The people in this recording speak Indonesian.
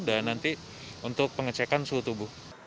dan nanti untuk pengecekan seluruh tubuh